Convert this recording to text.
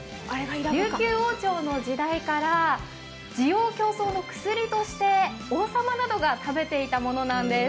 琉球王朝の時代から滋養強壮の薬として王様などが食べていたものなんです。